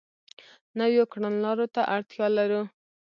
نویو کړنلارو ته اړتیا لرو.